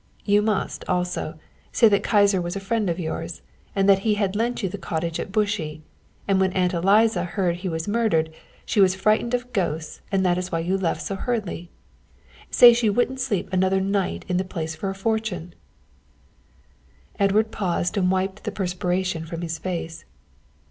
You must, also, say that Kyser was a friend of yours and that he had lent you the cottage at Bushey, and that when Aunt Eliza heard he was murdered, she was frightened of ghosts and that is why you left so hurriedly. Say she wouldn't sleep another night in the place for a fortune." Edward paused and wiped the perspiration from his face.